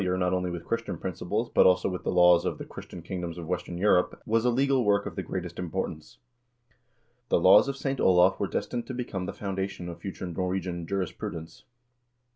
i — s 258 HISTORY OF THE NORWEGIAN PEOPLE not only with Christian principles, but also with the laws of the Christian kingdoms of western Europe, was a legal work of the greatest importance. The "Laws of St. Olav" were destined to become the foundation of future Norwegian jurisprudence.